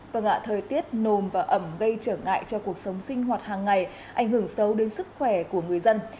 vâng ạ thời tiết nồm và ẩm gây trở ngại cho cuộc sống sinh hoạt hàng ngày ảnh hưởng sâu đến sức khỏe của người dân